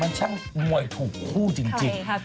ช่างมวยถูกคู่จริง